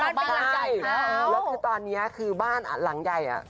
บ้านเป็นหลังไก่แล้วแล้วคือตอนเนี้ยคือบ้านอ่ะหลังใหญ่อ่ะ